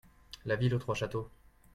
La ville aux trois châteaux.